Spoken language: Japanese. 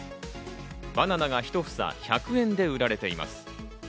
バナナが１房１００円で売られています。